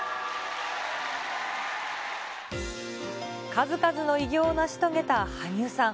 数々の偉業を成し遂げた羽生さん。